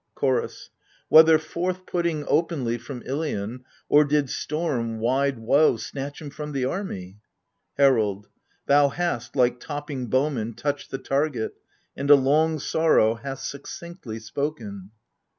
CHOROS. Whether forth putting openly from Ilion, Or did storm — wide woe— 'snatch him from the army ? HERALD. Thou hast, like topping bowman, touched the target, And a long sorrow hast succinctly spoken.